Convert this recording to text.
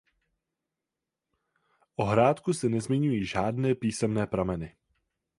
O hrádku se nezmiňují žádné písemné prameny.